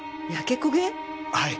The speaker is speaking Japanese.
はい。